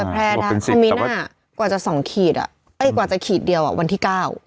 เขามิน่ากว่าจะ๒ขีดอ่ะเอ้ยกว่าจะขีดเดียวอ่ะวันที่๙